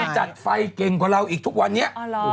จัดไฟเก่งกว่าเราอีกทุกวันนี้